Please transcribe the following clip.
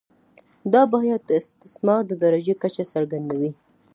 دا بیه د استثمار د درجې کچه څرګندوي